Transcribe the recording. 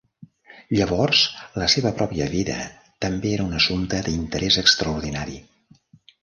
Llavors la seva pròpia vida també era un assumpte d'interès extraordinari.